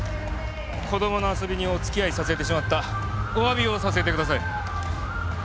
子供の遊びにお付き合いさせてしまったおわびをさせてください。